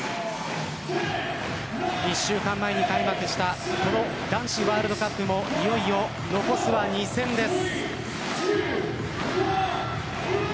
１週間前に開幕したこの男子ワールドカップもいよいよ残すは２戦です。